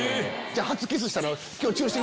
じゃあ初キスしたら。